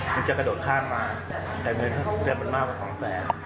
มันจะกระโดดข้างมาแต่เงินมันมากกว่าสองแสน